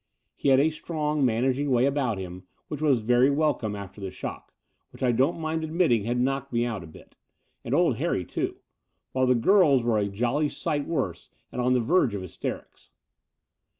He had a strong, managing way about him which was very welcome after the shock, which I don't mind admitting had knocked me out a bit — ^and old Harry, too — ^while the girls were a jolly sight worse, and on the verge of hysterics.